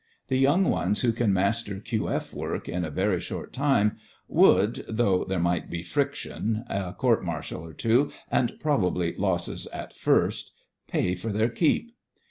The young ones who can master Q. F. work in a very short time would — though 100 THE FRINGES OF THE FLEET there might be friction, a court martial or two, and probably losses at first — pay for their keep.